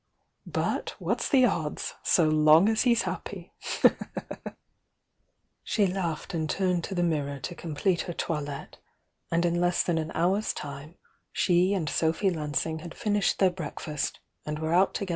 But what's the odds, so long as he's happy!" She laughed and turned to the mirror to complete her toilette, and in less than an hour's time she and Sophy L.i ing had finished their breakfast and were out togethc.